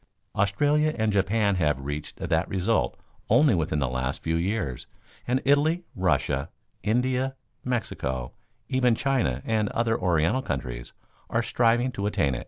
Australia and Japan have reached that result only within the last few years, and Italy, Russia, India, Mexico even China and other Oriental countries are striving to attain it.